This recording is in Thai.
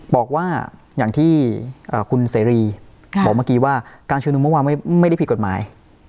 บอกว่าอย่างที่คุณเสรีบอกเมื่อกี้ว่าการชุมนุมเมื่อวานไม่ได้ผิดกฎหมาย